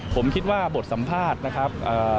ผมคิดว่าบทสัมภาษณ์นะครับ